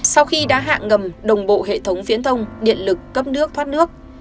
sau khi đã hạ ngầm đồng bộ hệ thống viễn thông điện lực cấp nước thoát nước